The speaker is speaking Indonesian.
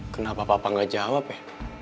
kenapa papa nggak jawab ya